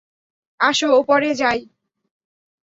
আসো, ওপরে যাই।